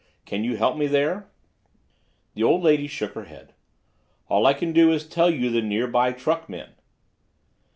Can you help me there?" The old lady shook her head. "All I can do is to tell you the near by truck men."